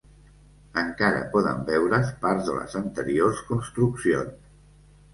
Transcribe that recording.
Encara poden veure's parts de les anteriors construccions.